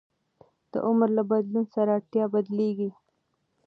د عمر له بدلون سره اړتیا بدلېږي.